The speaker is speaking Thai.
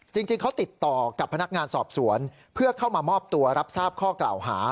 จริงเขาติดต่อกับพนักงานสอบสวนเพื่อเข้ามามอบตัวรับทราบข้อกล่าวหา